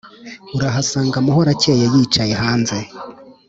urahasanga muhorakeye yicaye hanze